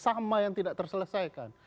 sama yang tidak terselesaikan